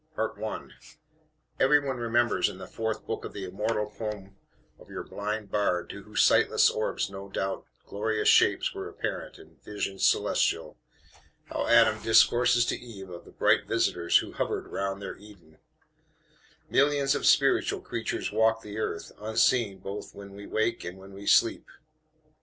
EDITOR.) I Every one remembers in the Fourth Book of the immortal poem of your Blind Bard (to whose sightless orbs no doubt Glorious Shapes were apparent, and Visions Celestial), how Adam discourses to Eve of the Bright Visitors who hovered round their Eden 'Millions of spiritual creatures walk the earth, Unseen, both when we wake and when we sleep.'